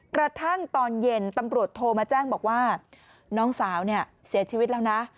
กระทั่งตอนเย็นตำรวจโทรมาแจ้งบอกว่าน้องสาวเนี่ยเสียชีวิตแล้วนะ